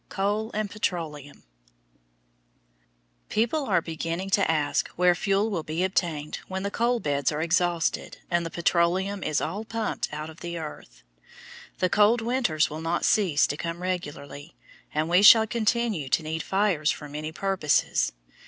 COAL AND PETROLEUM People are beginning to ask where fuel will be obtained when the coal beds are exhausted and the petroleum is all pumped out of the earth. The cold winters will not cease to come regularly, and we shall continue to need fires for many purposes.